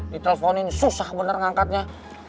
diteleponin susah bener ngangkatnya